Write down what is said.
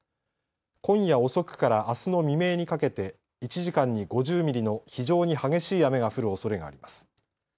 今夜遅くからあすの未明にかけて１時間に５０ミリの非常に激しい雨が降るおそれがあります。